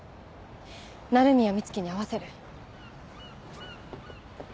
鳴宮美月に会わせる。